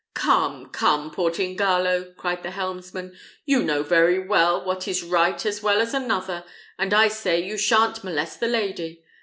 "Come, come, Portingallo!" cried the helmsman; "you know very well what is right as well as another, and I say you sha'n't molest the lady.